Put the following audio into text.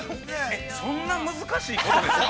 ◆そんな難しいことですか。